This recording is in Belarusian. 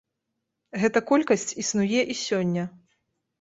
Гэта колькасць існуе і сёння.